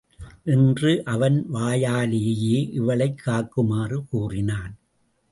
இன்று அவன் வாயாலேயே இவளைக் காக்குமாறு கூறினான்.